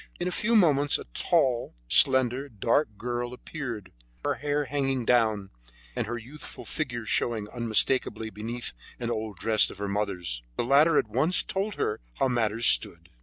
In a few moments a tall, slender, dark girl appeared, her hair hanging down, and her youthful figure showing unmistakably beneath an old dress of her mother's. The latter at once told her how matters stood.